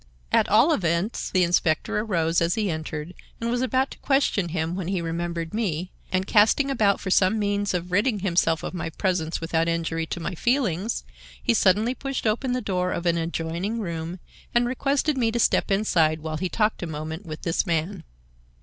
At all events, the inspector arose as he entered, and was about to question him when he remembered me, and, casting about for some means of ridding himself of my presence without injury to my feelings, he suddenly pushed open the door of an adjoining room and requested me to step inside while he talked a moment with this man.